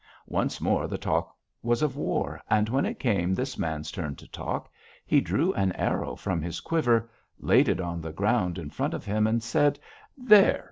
Once more the talk was of war, and when it came this man's turn to talk, he drew an arrow from his quiver, laid it on the ground in front of him, and said: 'There!